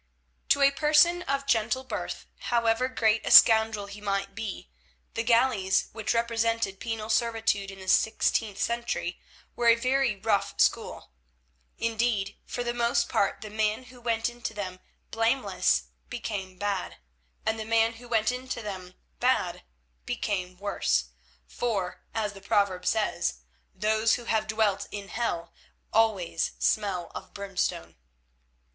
To a person of gentle birth, however great a scoundrel he might be, the galleys, which represented penal servitude in the sixteenth century, were a very rough school. Indeed for the most part the man who went into them blameless became bad, and the man who went into them bad became worse, for, as the proverb says, those who have dwelt in hell always smell of brimstone.